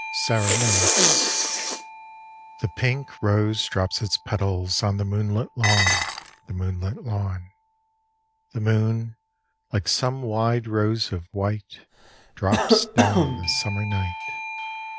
SERENADE The pink rose drops its petals on The moonlit lawn, the moonlit lawn; The moon, like some wide rose of white, Drops down the summer night.